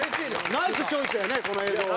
ナイスチョイスやねこの映像は。